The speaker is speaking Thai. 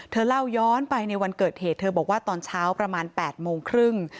เล่าย้อนไปในวันเกิดเหตุเธอบอกว่าตอนเช้าประมาณ๘โมงครึ่ง